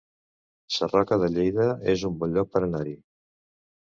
Sarroca de Lleida es un bon lloc per anar-hi